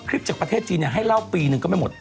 จากประเทศจีนให้เล่าปีหนึ่งก็ไม่หมด